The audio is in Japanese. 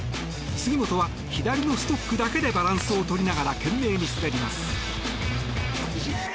杉本は左のストックだけでバランスを取りながら懸命に滑ります。